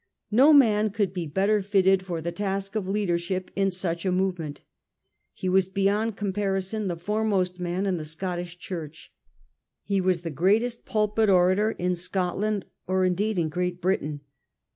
No man could he better fitted for the task of leadership in such a movement. He was beyond comparison the foremost man in the Scottish Church. He was the greatest pulpit orator in Scot land, or, indeed, in Great Britain.